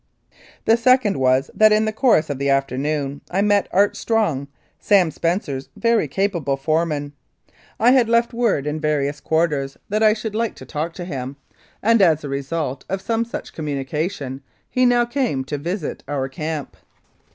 The second was that in the course of the afternoon I met Art Strong, Sam Spencer's very capable foreman. I had left word in various quarters that I should like to 166 Wholesale Cattle Smuggling talk to him, and as a result of some such communication he now came to visit our camp.